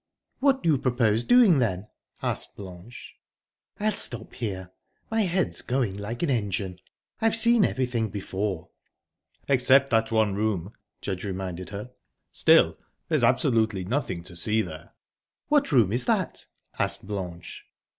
"What do you propose doing, then?" asked Blanche. "I'll stop here; my head's going like an engine. I've seen everything before." "Except that one room," Judge reminded her. "Still, there's absolutely nothing to see there." "What room is that?" asked Blanche.